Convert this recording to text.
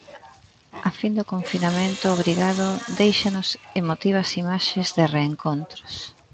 A fin do confinamento obrigado déixanos emotivas imaxes de reencontros.